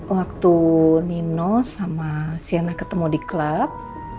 waktu nino sama siana ketemu di klub